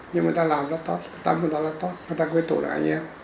nhưng mà người ta làm rất tốt tâm người ta rất tốt người ta quyết tụ được anh em